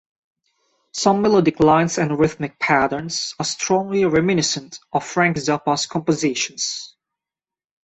Some melodic lines and rhythmic patterns are strongly reminiscent of Frank Zappa's compositions.